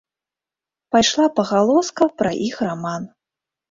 Пайшла пагалоска пра іх раман.